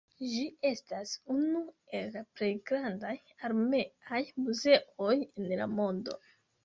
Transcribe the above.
Ĝi estas unu el la plej grandaj armeaj muzeoj en la mondo.